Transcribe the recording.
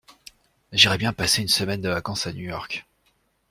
J'irais bien passer une semaine de vacances à New-York.